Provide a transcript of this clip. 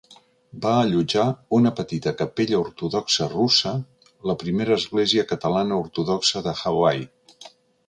Va allotjar una petita capella ortodoxa russa, la primera església cristiana ortodoxa de Hawaii.